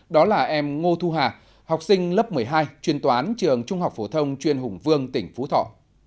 đó là em ngô thu hà học sinh lớp một mươi hai chuyên toán trường trung học phổ thông chuyên hùng vương tỉnh phú thọ